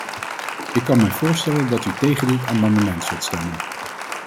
Ik kan mij voorstellen dat u tegen dit amendement zult stemmen.